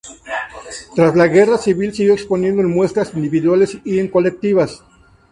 Tras la Guerra Civil siguió exponiendo en muestras individuales y en colectivas.